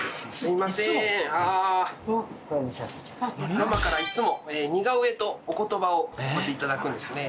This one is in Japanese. ママからいつも似顔絵とお言葉をこうやっていただくんですね。